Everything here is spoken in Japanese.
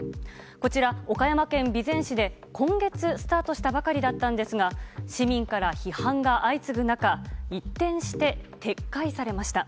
こちら、岡山県備前市で今月スタートしたばかりだったんですが市民から批判が相次ぐ中一転して撤回されました。